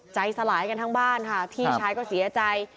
สลายกันทั้งบ้านค่ะพี่ชายก็เสียใจ